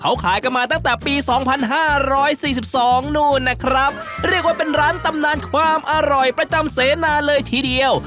เขาขายกันมาตั้งแต่ปีสองพันห้าร้อยสี่สิบสองนู่นนะครับเรียกว่าเป็นร้านตำนานความอร่อยประจำเสนาเลยทีเดียว